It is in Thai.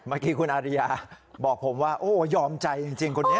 เมื่อกี้คุณอาริยาบอกผมว่าโอ้ยอมใจจริงคนนี้